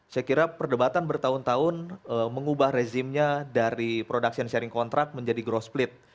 saya kira perdebatan bertahun tahun mengubah rezimnya dari production sharing contract menjadi growth split